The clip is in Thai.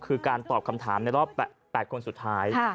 คือการตอบคำถามในรอบ๘คนสุดท้าย